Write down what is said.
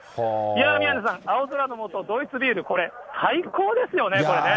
いやー、宮根さん、青空の下、ドイツビール、これ、最高ですよね、これね。